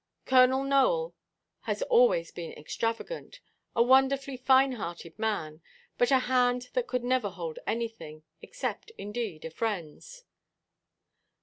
Colonel Nowell has always been extravagant, a wonderfully fine–hearted man, but a hand that could never hold anything—except, indeed, a friendʼs."